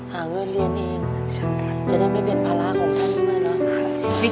หาเงินเรียนเองจะได้ไม่เป็นภาระของท่านด้วยเนอะ